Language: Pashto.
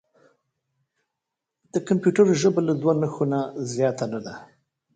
د کمپیوټر ژبه له دوه نښو نه زیاته نه ده.